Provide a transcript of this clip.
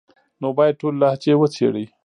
نو بايد ټولي لهجې وڅېړي،